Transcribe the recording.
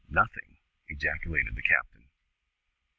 Nothing!" ejaculated the captain.